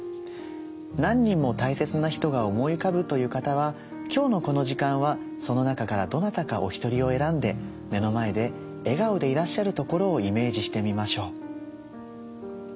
何人も大切な人が思い浮かぶという方は今日のこの時間はその中からどなたかお一人を選んで目の前で笑顔でいらっしゃるところをイメージしてみましょう。